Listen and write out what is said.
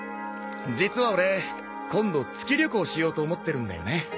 実はオレ今度月旅行しようと思ってるんだよね。